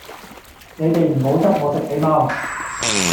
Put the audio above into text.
你哋唔好質我食死貓